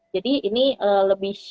jadi ini lebih